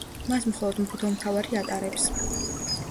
მას მხოლოდ მღვდელმთავარი ატარებს.